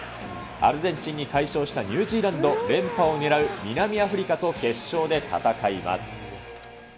アルゼンチンに快勝したニュージーランド、連覇を狙う南アフリカと決勝で戦います。